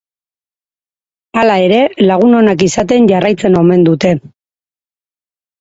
Hala ere, lagun onak izaten jarraitzen omen dute.